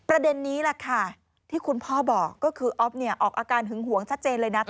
ประเด็นนี้แหละค่ะที่คุณพ่อบอกก็คืออ๊อฟเนี่ยออกอาการหึงหวงชัดเจนเลยนะ